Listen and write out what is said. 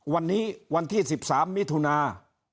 วันนี้วันที่๑๓มิถุนา